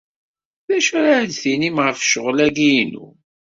D acu ara d-tinim ɣef ccɣel-agi-inu?